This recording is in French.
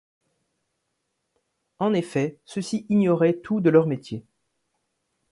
En effet, ceux-ci ignoraient tout de leur métier.